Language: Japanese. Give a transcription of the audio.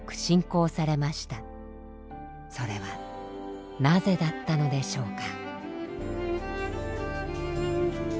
それはなぜだったのでしょうか。